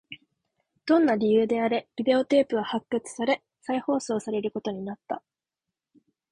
どんな理由であれ、ビデオテープは発掘され、再放送されることになった